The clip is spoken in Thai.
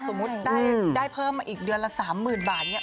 สมมุติได้เพิ่มมาอีกเดือนละ๓๐๐๐บาทเนี่ย